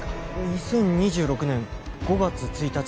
２０２６年５月１日です